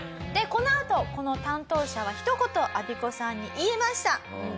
このあとこの担当者はひと言アビコさんに言いました。